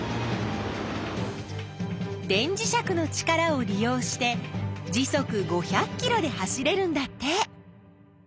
電磁石の力を利用して時速５００キロで走れるんだって！